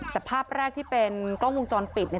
แต่ภาพแรกที่เป็นกล้องวงจรปิดเนี่ย